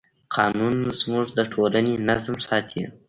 قانون زموږ د ټولنې نظم ساتي.